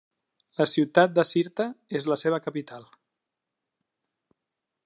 La ciutat de Sirte és la seva capital.